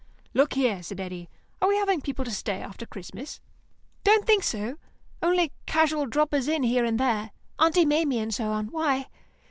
"Look here," said Eddy, "are we having people to stay after Christmas?" "Don't think so. Only casual droppers in here and there; Aunt Maimie and so on. Why?"